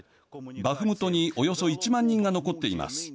バフムトにおよそ１万人が残っています。